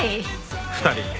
２人。